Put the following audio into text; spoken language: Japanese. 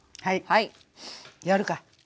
はいやるか！